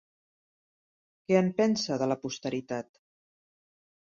Què en pensa, de la posteritat?